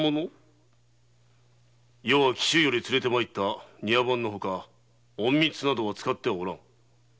余は紀州より連れて参った庭番のほか隠密は使っておらん。